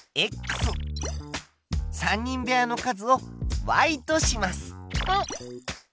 ３人部屋の数をとします。